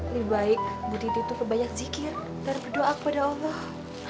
lebih baik bu diti berbanyak zikir dan berdoa kepada allah